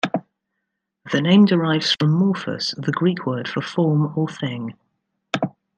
The name derives from "morphos", the Greek word for form or thing.